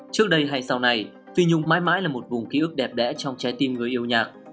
trước đây hay sau này phi nhung mãi mãi là một vùng ký ức đẹp đẽ trong trái tim người yêu nhạc